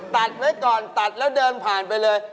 ตัดไว้ก่อนตัดแล้วเดินผ่านไปเลย